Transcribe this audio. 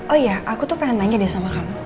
oh iya aku tuh pengen tanya deh sama kamu